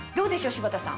柴田さん。